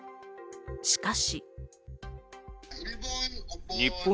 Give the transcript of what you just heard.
しかし。